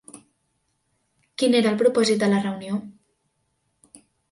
Quin era el propòsit de la reunió?